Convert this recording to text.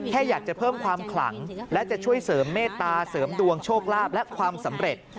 แค่อยากจะเพิ่มความขลังและจะช่วยเสริมเมตตาเสริมดวงโชคลาภและความสำเร็จ